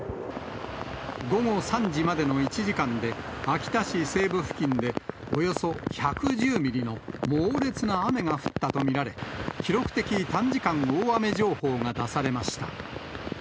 午後３時までの１時間で、秋田市西部付近でおよそ１１０ミリの猛烈な雨が降ったと見られ、記録的短時間大雨情報が出されました。